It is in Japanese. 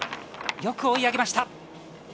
よく追い上げました。